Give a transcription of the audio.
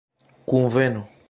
kunveno